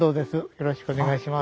よろしくお願いします。